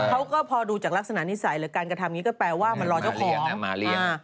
เขาก็พอดูจากลักษณะนิสัยหรือการกระทำนี้ก็แปลว่ามันรอเจ้าของ